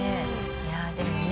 いやでもね